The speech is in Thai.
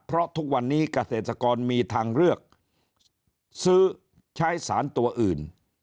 เพราะทุกวันนี้เกษตรกรมีทางเลือกซื้อใช้สารตัวอื่น